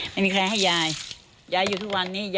ไม่มีใครให้ยายยายอยู่ทุกวันนี้